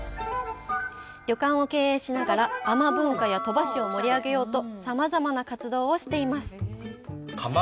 旅館を経営しながら、海女文化や鳥羽市を盛り上げようとさまざまな活動をしています。